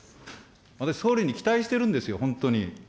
私、総理に期待してるんですよ、本当に。